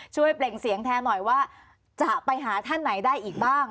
เปล่งเสียงแทนหน่อยว่าจะไปหาท่านไหนได้อีกบ้าง